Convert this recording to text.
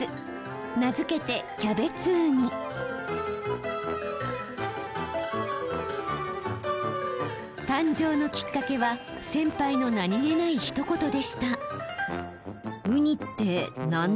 名付けて誕生のきっかけは先輩の何気ないひと言でした。